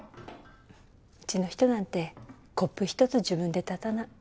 うちの人なんてコップ１つ自分で立たない。